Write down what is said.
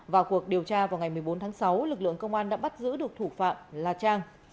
vào cuộc điều tra vào ngày một mươi bốn tháng sáu lực lượng công an đã bắt giữ được thủ phạm là trang